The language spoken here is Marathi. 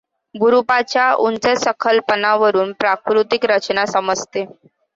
भूरूपांच्या उंचसखलपणावरून प्राकृतिक रचना समजते.